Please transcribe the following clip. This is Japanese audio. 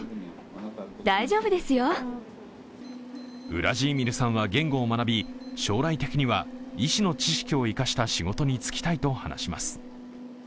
ウラジーミルさんは言語を学び、将来的には医師の知識を生かした仕事に就きたいと話します。